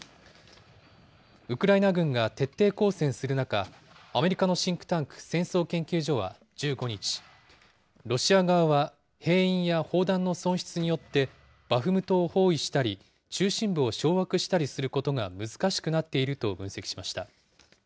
ウクライナ軍が徹底抗戦する中、アメリカのシンクタンク、戦争研究所は１５日、ロシア側は兵員や砲弾の損失によって、バフムトを包囲したり、中心部を掌握したりすることが難しくなっていると分析しました。